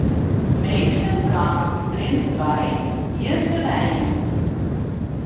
Minsken kamen út Drinte wei hjir te wenjen.